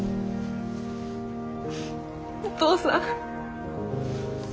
お父さん。